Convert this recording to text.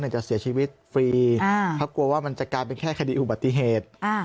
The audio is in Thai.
เนี่ยจะเสียชีวิตฟรีชับตัวว่างมันจะการเป็นแค่คดีอุบัติเหตุ